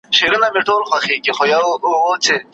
تش له بګړیو له قلمه دی، بېدیا کلی دی